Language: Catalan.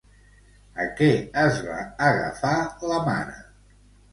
A què es va agafar la mare?